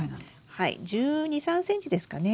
はい１２１３ｃｍですかね。